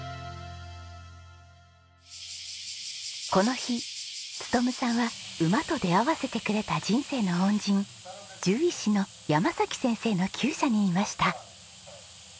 この日勉さんは馬と出会わせてくれた人生の恩人獣医師の山崎先生の厩舎にいました。